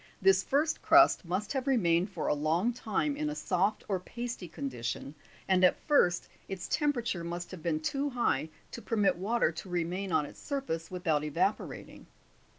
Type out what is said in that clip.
This first crust must have re mained for a long time in a soft or pasty condition, and at first its temperature must have been too high to permit water to remain on its surface without evaporating.